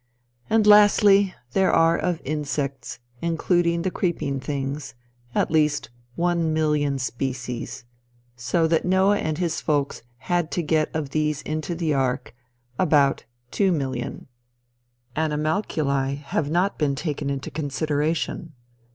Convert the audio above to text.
And lastly, there are of insects including the creeping things, at least one million species, so that Noah and his folks had to get of these into the ark about 2,000,000. Animalculae have not been taken into consideration.